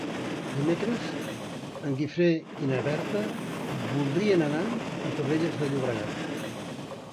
Dimecres en Guifré i na Berta voldrien anar a Torrelles de Llobregat.